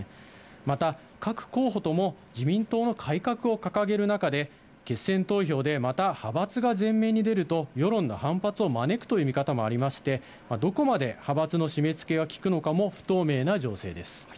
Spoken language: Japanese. また各候補とも、自民党の改革を掲げる中で、決選投票で、また派閥が前面に出ると、世論の反発を招くという見方もありまして、どこまで派閥の締めつけが効くのかも不透明な情勢です。